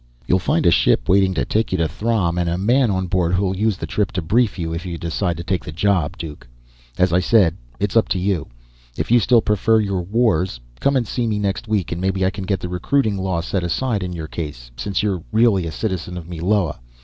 "You'll find a ship waiting to take you to Throm, and a man on board who'll use the trip to brief you, if you decide to take the job, Duke. As I said, it's up to you. If you still prefer your wars, come and see me next week, and maybe I can get the recruiting law set aside in your case, since you're really a citizen of Meloa.